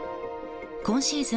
今シーズン